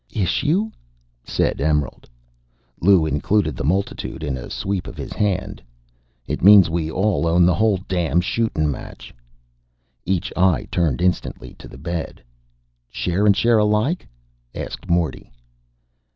'" "Issue?" said Emerald. Lou included the multitude in a sweep of his hand. "It means we all own the whole damn shootin' match." Each eye turned instantly to the bed. "Share and share alike?" asked Morty.